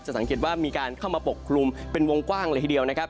สังเกตว่ามีการเข้ามาปกคลุมเป็นวงกว้างเลยทีเดียวนะครับ